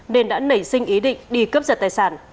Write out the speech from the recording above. nên đã nảy sinh ý định đi cướp giật tài sản